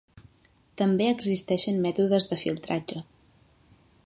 També existeixen mètodes de filtratge.